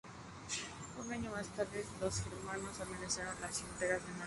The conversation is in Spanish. Un año más tarde, los germanos amenazaron las fronteras al norte del imperio.